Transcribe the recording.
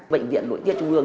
bệnh viện nội tiết trung ương